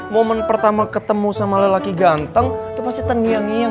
momen pertama ketemu sama lelaki ganteng itu pasti tenggiang ngiang